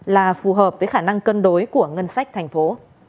là phù hợp với khả năng cân đối của ngân sách thành phố